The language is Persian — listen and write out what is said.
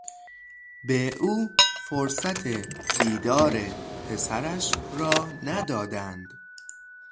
به او فرصت دیدار پسرش را ندادند.